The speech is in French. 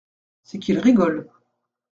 C’est qu’il rigole.